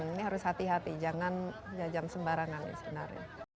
ini harus hati hati jangan jajang sembarangan sebenarnya